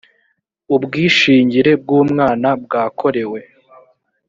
ubwishingire bw umwana bwakorewe